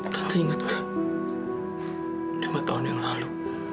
tan tante ingatkan lima tahun yang lalu